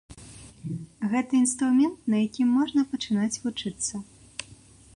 Гэта інструмент, на якім можна пачынаць вучыцца.